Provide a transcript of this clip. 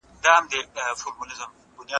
هغه د خدای په عشق کې ځان له نړۍ جلا کړ.